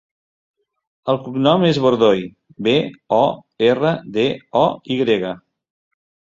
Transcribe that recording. El cognom és Bordoy: be, o, erra, de, o, i grega.